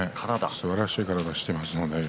すばらしい体をしていますものね。